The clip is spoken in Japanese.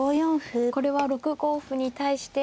これは６五歩に対して。